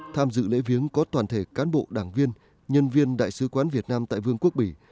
tham dự lễ viếng có toàn thể cán bộ đảng viên nhân viên đại sứ quán việt nam tại vương quốc bỉ